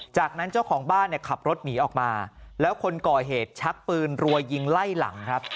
จากนั้นเจ้าของบ้านเนี่ยขับรถหนีออกมาแล้วคนก่อเหตุชักปืนรัวยิงไล่หลังครับ